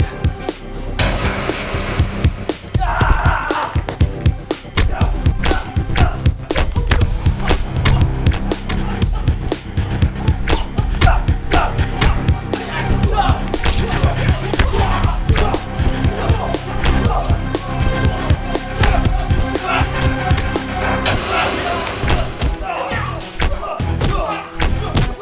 ia gewoon rumah klepar